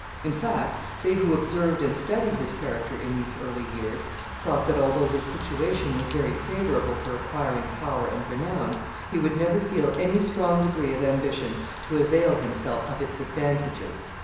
In fact, they who observed and studied his character in these early years, thought that, although his situation was very favorable for acquiring power and renown, he would never feel any strong degree of ambition to avail himself of its advantages.